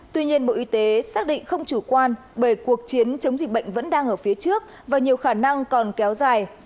tuy nhiên bộ y tế xác định không chủ quan bởi cuộc chiến chống dịch bệnh vẫn đang ở phía trước và nhiều khả năng còn kéo dài